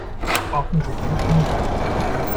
Offensichtlich nicht.